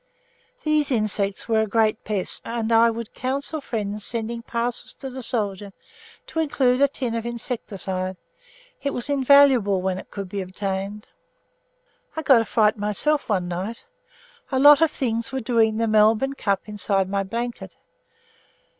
These insects were a great pest, and I would counsel friends sending parcels to the soldiers to include a tin of insecticide; it was invaluable when it could be obtained. I got a fright myself one night. A lot of things were doing the Melbourne Cup inside my blanket.